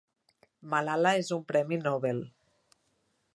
Malala és un Premi Nobel.